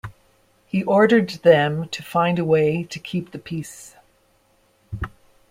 He ordered them to find a way to keep the peace.